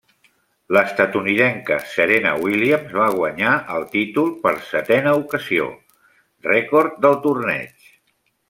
L'estatunidenca Serena Williams va guanyar el títol per setena ocasió, rècord del torneig.